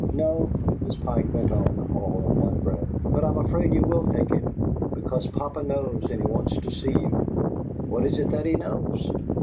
"No," Miss Pike went on, all in one breath, "but I'm afraid you will think it, because papa knows and he wants to see you." "What is it that he knows?"